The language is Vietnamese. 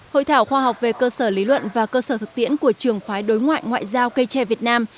hội thảo khoa học về cơ sở lý luận và cơ sở thực tiễn của trường phái đối ngoại ngoại giao cây tre việt nam